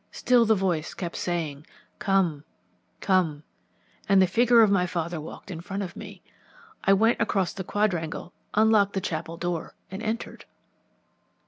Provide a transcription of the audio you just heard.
Still the voice kept saying 'Come, come,' and the figure of my father walked in front of me. I went across the quadrangle, unlocked the chapel door, and entered.